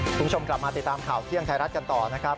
คุณผู้ชมกลับมาติดตามข่าวเที่ยงไทยรัฐกันต่อนะครับ